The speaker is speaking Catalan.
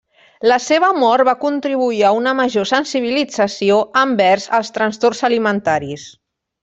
La seva mort va contribuir a una major sensibilització envers els trastorns alimentaris.